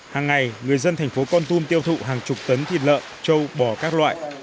hàng ngày người dân thành phố con tum tiêu thụ hàng chục tấn thịt lợn châu bò các loại